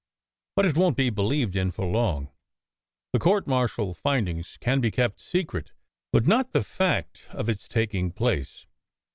But it won t be believed in for long. The court martial findings can be kept secret, but not the fact of its taking place.